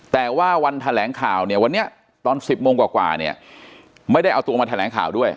แต่ว่าวันแถลงข่าวเนี่ยวันนี้ตอน๑๐โมงกว่าเนี่ยไม่ได้เอาตัวมาแถลงข่าวด้วย